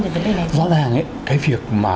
về vấn đề này không rõ ràng ấy cái việc mà